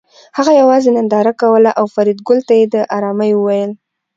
هغه یوازې ننداره کوله او فریدګل ته یې د ارامۍ وویل